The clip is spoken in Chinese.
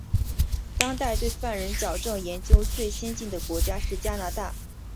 当代对犯人矫治研究最先进的国家是加拿大。